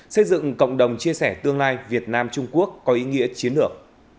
xây dựng cộng đồng chia sẻ tương lai việt nam trung quốc có ý nghĩa chiến lược